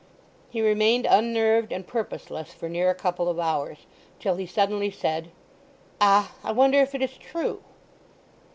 He remained unnerved and purposeless for near a couple of hours; till he suddenly said, "Ah—I wonder if it is true!"